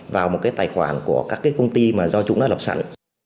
vào một tài khoản của các công ty do chúng lập sẵn